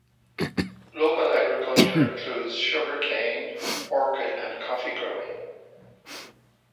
Local agriculture includes sugar cane, orchid and coffee growing.